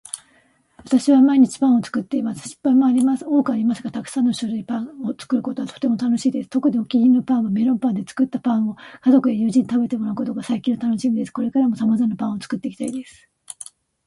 私は毎日パンを作っています。失敗も多くありますがたくさんの種類パンを作ることはとても楽しいです。特にお気に入りのパンは、メロンパンで、作ったパンを家族や友人に食べてもらうことが最近のたのしみです。これからも様々なパンを作っていきたいです。